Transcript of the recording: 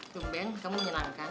cumbeng kamu menyenangkan